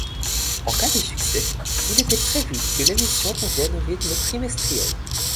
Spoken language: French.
En cas de succès, il était prévu que l’émission revienne au rythme trimestriel.